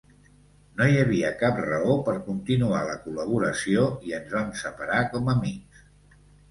No hi havia cap raó per continuar la col·laboració i ens vam separar com amics.